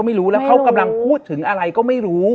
ไม่รู้แล้วเขากำลังพูดถึงอะไรก็ไม่รู้